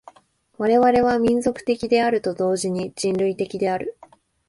我々は民族的であると同時に人類的である。